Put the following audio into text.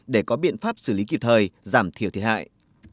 để có biện pháp xử lý kịp thời giảm thiểu thiệt hại